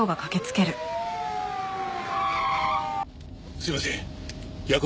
すいません。